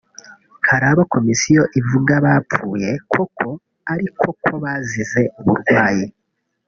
Hari abo Komisiyo ivuga bapfuye koko ariko ko bazize uburwayi